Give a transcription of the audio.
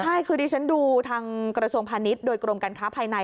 ใช่คือดิฉันดูทางกระทรวงพาณิชย์โดยกรมการค้าภายใน